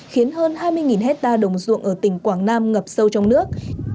khiến hơn hai mươi hectare đồng ruộng ở tỉnh quảng nam ngập sâu trong nước